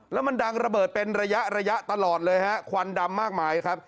แล้วมันดังระเบิดเป็นระยะระยะตลอดเลยฮะควันดำมากมายครับ